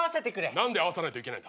何で会わさないといけないんだ。